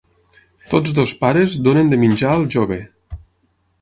Tots dos pares donen de menjar al jove.